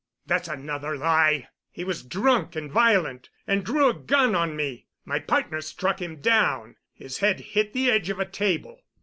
"That's another lie! He was drunk and violent and drew a gun on me. My partner struck him down. His head hit the edge of a table."